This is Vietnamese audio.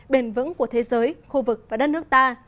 bền vững của thế giới khu vực và đất nước ta